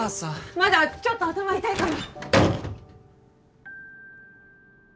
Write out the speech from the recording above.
まだちょっと頭痛いから。